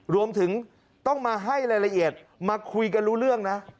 รวมถึงต้องมาให้รายละเอียดมาคุยกันรู้เรื่องนะ